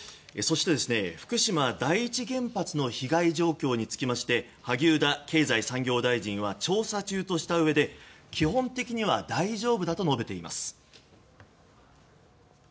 そして、福島第一原発の被害状況につきまして萩生田経済産業大臣は調査中としたうえで基本的には大丈夫だと述べています。